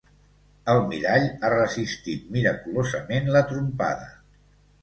El mirall ha resistit miraculosament la trompada.